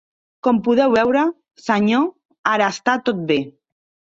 Com podeu veure, senyor, ara està tot bé.